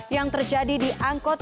yang terjadi di angkot